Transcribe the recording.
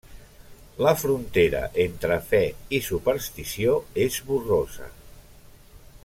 La frontera entre fe i superstició és borrosa.